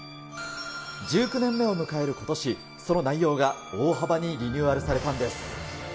１９年目を迎えることし、その内容が大幅にリニューアルされたんです。